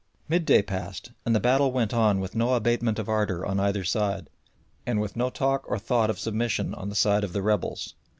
Midday passed, and the battle went on with no abatement of ardour on either side, and with no talk or thought of submission on the side of the rebels.